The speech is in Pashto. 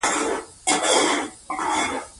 اداره د خلکو د ستونزو حل ته پام کوي.